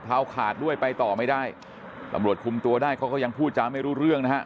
ขาดด้วยไปต่อไม่ได้ตำรวจคุมตัวได้เขาก็ยังพูดจาไม่รู้เรื่องนะฮะ